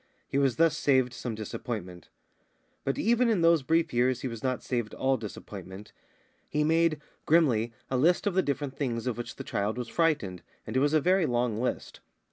He was thus saved some disappointment. But even in those brief years he was not saved all disappointment. He made, grimly, a list of the different things of which the child was frightened, and it was a very long list.